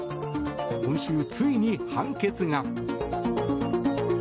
今週、ついに判決が。